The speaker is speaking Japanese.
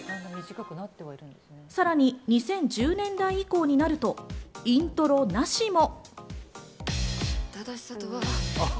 さらに、２０１０年代以降になるとイントロなしも。